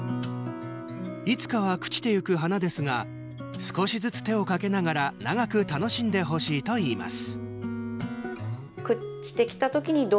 いつかは朽ちてゆく花ですが少しずつ手をかけながら長く楽しんでほしいといいます。